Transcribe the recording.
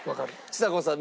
ちさ子さん